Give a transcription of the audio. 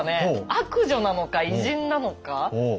悪女なのか偉人なのか。